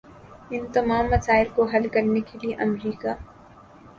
ان تمام مسائل کو حل کرنے کے لیے امریکہ